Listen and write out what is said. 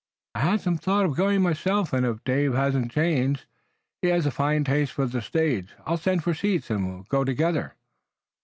"I had some thought of going myself, and if Dave hasn't changed, he has a fine taste for the stage. I'll send for seats and we'll go together."